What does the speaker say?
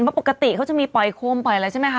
เพราะปกติเขาจะมีปล่อยโคมปล่อยอะไรใช่ไหมคะ